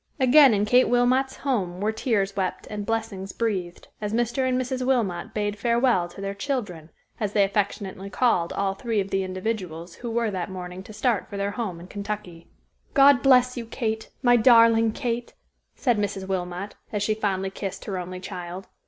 Again in Kate Wilmot's home were tears wept and blessings breathed, as Mr. and Mrs. Wilmot bade farewell to their "children," as they affectionately called all three of the individuals who were that morning to start for their home in Kentucky. "God bless you, Kate, my darling Kate," said Mrs. Wilmot as she fondly kissed her only child.